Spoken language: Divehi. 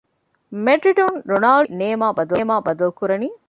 މެޑްރިޑުން ރޮނާލްޑޯ އާއި ނޭމާ ބަދަލުކުރަނީ؟